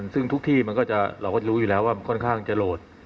ซึ่งทุกที่เราก็รู้อยู่แล้วว่ามันค่อนข้างจะโหลด